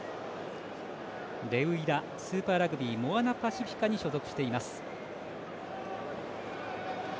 レウイラ、スーパーラグビーモアナパシフィカに所属しています。